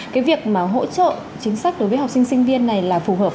cái việc mà hỗ trợ chính sách đối với học sinh sinh viên này là phù hợp